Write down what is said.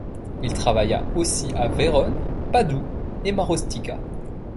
Il travailla aussi à Vérone, Padoue et Marostica.